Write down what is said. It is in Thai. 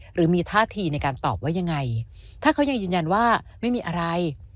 หรือมีท่าทีในการตอบว่ายังไงถ้าเขายังยืนยันว่าไม่มีอะไร